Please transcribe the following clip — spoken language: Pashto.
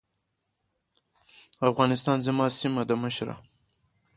افغانستان زما سيمه ده مشره.